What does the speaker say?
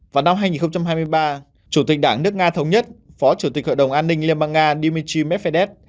vào năm hai nghìn hai mươi ba chủ tịch đảng nước nga thống nhất phó chủ tịch hội đồng an ninh liên bang nga dmitry medvedev